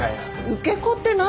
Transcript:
受け子って何？